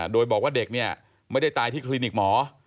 โดยบอกว่าเด็กเนี่ยไม่ได้ตายที่คลินิกหมอ